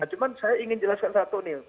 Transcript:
cuma saya ingin jelaskan satu nih